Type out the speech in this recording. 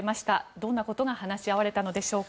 どんなことが話し合われたのでしょうか。